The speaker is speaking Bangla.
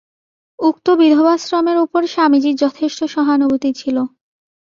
উক্ত বিধবাশ্রমের উপর স্বামীজীর যথেষ্ট সহানুভূতি ছিল।